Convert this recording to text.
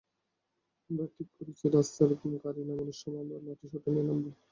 আমরা ঠিক করেছি, রাস্তায় গাড়ি নামানোর সময় আমরাও লাঠিসোঁটা নিয়ে নামব।